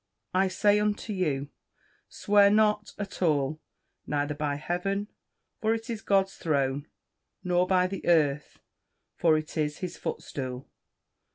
[Verse: "I say unto you, Swear not at all; neither by heaven, for it is God's throne; Nor by the earth; for it is his footstool."